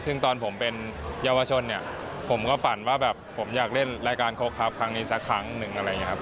ซึ่งตอนผมเป็นเยาวชนผมก็ฝันว่าผมอยากเล่นรายการโคลดคอปครั้งนี้สักครั้งหนึ่ง